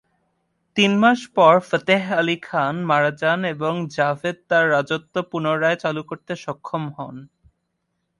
তিন মাস পর ফাতেহ আলী খান মারা যান এবং জাভেদ তার রাজত্ব পুনরায় চালু করতে সক্ষম হন।